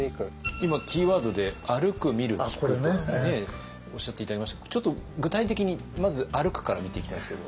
今キーワードで「あるく・みる・きく」とねおっしゃって頂きましたがちょっと具体的にまず「あるく」から見ていきたいんですけど。